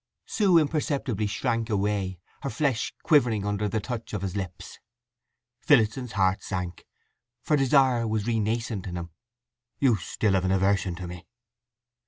Sue imperceptibly shrank away, her flesh quivering under the touch of his lips. Phillotson's heart sank, for desire was renascent in him. "You still have an aversion to me!"